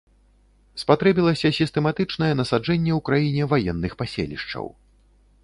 Спатрэбілася сістэматычнае насаджэнне ў краіне ваенных паселішчаў.